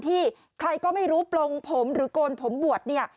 ที่ใครก็ไม่รู้ปรองผมหรือกลผมบวช